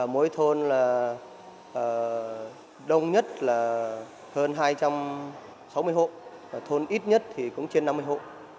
mỗi thôn là đông nhất là hơn hai trăm sáu mươi hộ thôn ít nhất thì cũng trên năm mươi hộ